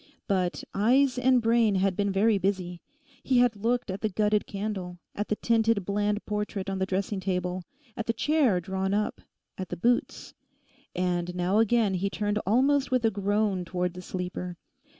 But eyes and brain had been very busy. He had looked at the gutted candle; at the tinted bland portrait on the dressing table; at the chair drawn up; at the boots; and now again he turned almost with a groan towards the sleeper.